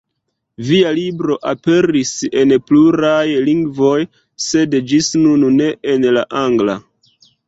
Via libro aperis en pluraj lingvoj, sed ĝis nun ne en la angla.